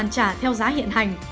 trả theo giá hiện hành